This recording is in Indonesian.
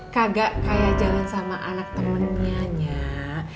kagak kayak jalan sama anak temennya